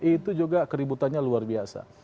itu juga keributannya luar biasa